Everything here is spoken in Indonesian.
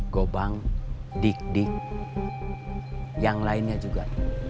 gobang dik dik yang lainnya juga